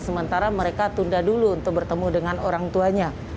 sementara mereka tunda dulu untuk bertemu dengan orang tuanya